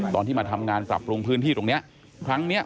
ตอนที่มาทำงานปรับปรุงพื้นที่ตรงนี้ครั้งเนี้ย